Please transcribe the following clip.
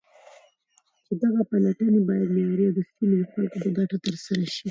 چې دغه پلټنې بايد معياري او د سيمې د خلكو په گټه ترسره شي.